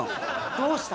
どうした？